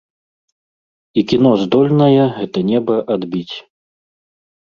І кіно здольнае гэтае неба адбіць.